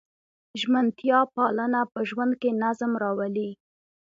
ژمنتیا پالنه په ژوند کې نظم راولي.